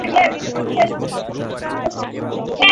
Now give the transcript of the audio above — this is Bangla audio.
সাইবার-অপরাধের ইতিহাসে সবচেয়ে রহস্যজনক ঘটনা বলা চলে।